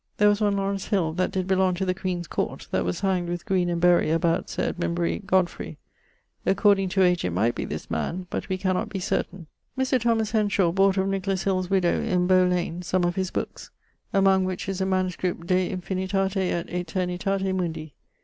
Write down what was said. There was one Laurence Hill that did belong to the queen's court, that was hangd with Green and Berry about Sir Edmund Berry Godfrey. According to age, it might be this man, but we cannot be certain. Mr. Thomas Henshaw bought of Nicholas Hill's widow, in Bow lane, some of his bookes; among which is a manuscript de infinitate et aeternitate mundi.